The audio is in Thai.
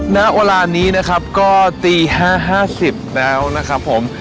ณเวลานี้นะครับก็ตี๕๕๐แล้วนะครับผม